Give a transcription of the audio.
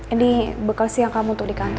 ini bekas siang kamu untuk di kantor